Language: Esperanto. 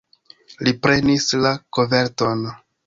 Li prenis la koverton.